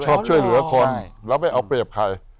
ชอบช่วยเหลือคนแล้วไม่เอาเปรียบใคร